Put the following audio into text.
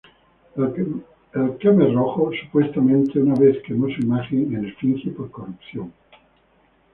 El Khmer Rouge supuestamente una vez quemó su imagen en efigie por corrupción.